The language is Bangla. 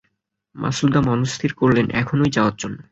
মাছুদা মনস্থির করে এখনই যাওয়ার জন্য।